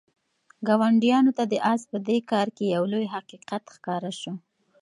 ګاونډیانو ته د آس په دې کار کې یو لوی حقیقت ښکاره شو.